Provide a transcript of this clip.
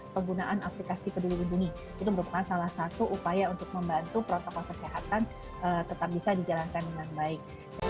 penggunaan aplikasi peduli lindungi itu merupakan salah satu upaya untuk membantu protokol kesehatan tetap bisa dijalankan dengan baik